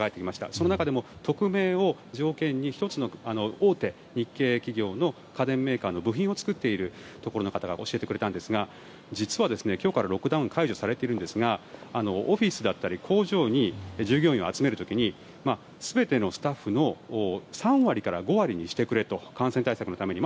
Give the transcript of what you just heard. その中でも匿名を条件に１つの大手日系企業の家電メーカーの部品を作っているところの方が教えてくれたんですが実は今日からロックダウンは解除されているんですがオフィスや工場に従業員を集める時に全てのスタッフの３割から５割にしてくれと感染対策のために。